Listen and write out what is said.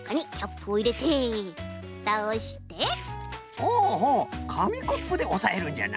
ほうほうかみコップでおさえるんじゃな。